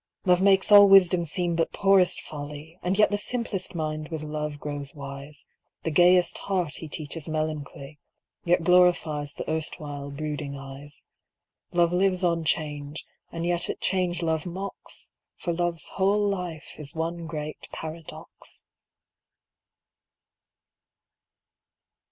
Love makes all wisdom seem but poorest folly, And yet the simplest mind with Love grows wise, The gayest heart he teaches melancholy, Yet glorifies the erstwhile brooding eyes. Love lives on change, and yet at change Love mocks, For Love's whole life is one great paradox.